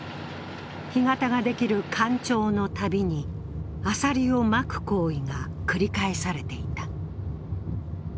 干潟ができる干潮のたびにアサリをまく行為が繰り返されていた。